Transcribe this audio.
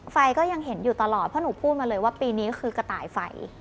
ก็ยังเห็นอยู่ตลอดเพราะหนูพูดมาเลยว่าปีนี้คือกระต่ายไฟ